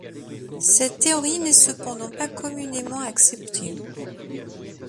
Cette théorie n'est cependant pas communément acceptée.